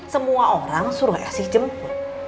semua orang suruh kasih jemput